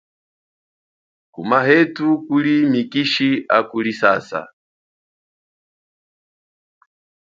Kumahethu kuli mikishi akulisasa.